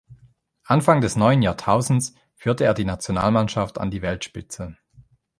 Anfang des neuen Jahrtausends führte er die Nationalmannschaft an die Weltspitze.